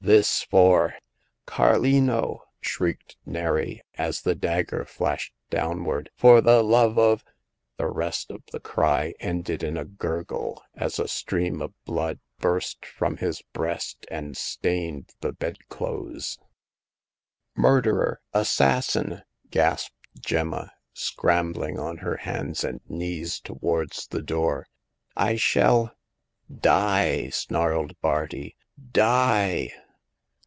" This for "" Carlino !" shrieked Neri, as the dagger flashed downward — "for the love of " The rest of the cry ended in a gurgle, as a stream of blood burst from his breast and stained the bedclothes. The Fourth Customer. 127 " Murderer ! Assassin !" gasped Gemma, scrambling on her hands and knees towards the door. I shall "Die !" snarled Bardi. " Die